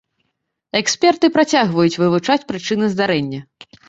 Эксперты працягваюць вывучаць прычыны здарэння.